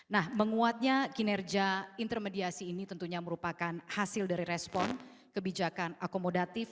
nah menguatnya kinerja intermediasi ini tentunya merupakan hasil dari respon kebijakan akomodatif